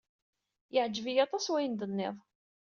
Yeɛjeb-iyi aṭas wayen d-tenniḍ.